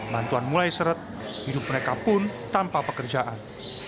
bantuan mulai seret hidup mereka pun tanpa pekerjaan